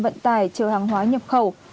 vận tải chờ hàng hóa nhập khẩu